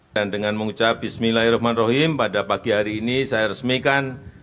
dan dengan mengucap bismillahirrahmanirrahim pada pagi hari ini saya resmikan